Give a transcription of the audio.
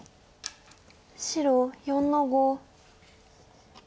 白４の五。